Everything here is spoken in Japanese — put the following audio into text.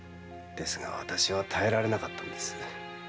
ですが私は耐えられなかったんです。